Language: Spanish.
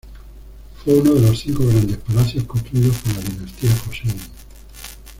Fue uno de los Cinco Grandes Palacios construidos por la dinastía Joseon.